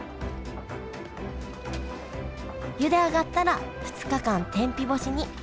ゆで上がったら２日間天日干しに。